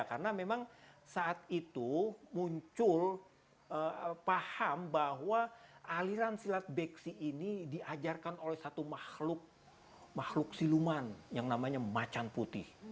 karena memang saat itu muncul paham bahwa aliran silat beksi ini diajarkan oleh satu makhluk siluman yang namanya macan putih